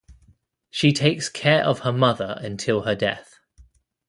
She takes care of her mother until her death.